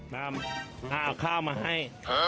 น้ำเอาข้าวมาให้